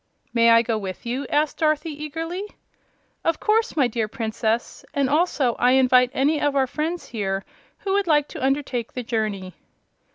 "May I go with you?" asked Dorothy, eagerly. "Of course, my dear Princess; and I also invite any of our friends here who would like to undertake the journey."